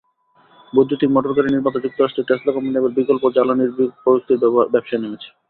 বৈদ্যুতিক মোটরগাড়ি নির্মাতা যুক্তরাষ্ট্রের টেসলা কোম্পানি এবার বিকল্প জ্বালানি প্রযুক্তির ব্যবসায় নেমেছে।